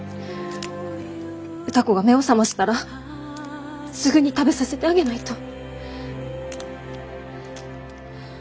歌子が目を覚ましたらすぐに食べさせてあげないと。